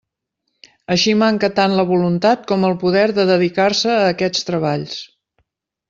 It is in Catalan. Així manca tant la voluntat com el poder de dedicar-se a aquests treballs.